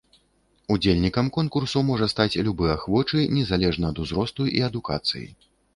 Удзельнікам конкурсу можа стаць любы ахвочы незалежна ад узросту і адукацыі.